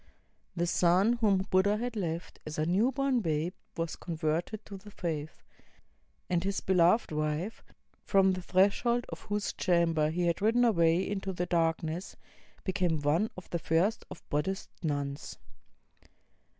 The son whom Buddha had left as a new born babe was con verted to the faith; and his beloved wife, from the threshold of whose chamber he had ridden away into the darkness, became one of the first of Buddhist nuns.